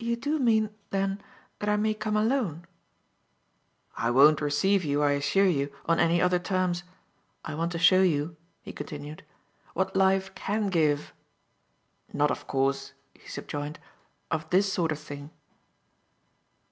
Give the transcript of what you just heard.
"You do mean then that I may come alone?" "I won't receive you, I assure you, on any other terms. I want to show you," he continued, "what life CAN give. Not of course," he subjoined, "of this sort of thing."